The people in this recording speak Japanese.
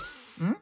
ん？